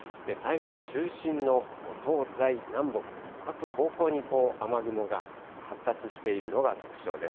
台風中心の南北、各方向に雨雲が発達しているのが特徴です。